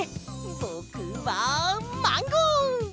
ぼくはマンゴー！